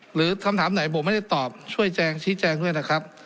หรือคำถามไหนผมไม่ได้ตอบช่วยแจงชี้แจงด้วยนะครับ